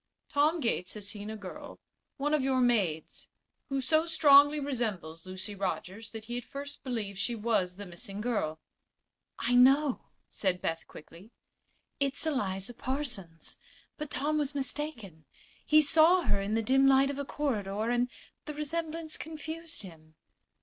Tom Gates has seen a girl one of your maids who so strongly resembles Lucy Rogers that he at first believed she was the missing girl." "I know," said Beth, quickly. "It's Eliza Parsons. But Tom was mistaken. He saw her in the dim light of a corridor, and the resemblance confused him."